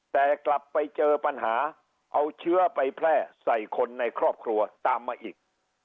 แต่กลับไปเจอปัญหาเอาเชื้อไปแพร่ใส่คนในครอบครัวตามมาอีก